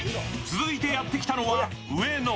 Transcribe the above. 続いてやってきたのは上野。